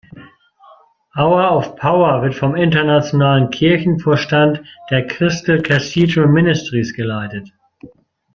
Hour of Power wird vom Internationalen Kirchenvorstand der "Crystal Cathedral Ministries" geleitet.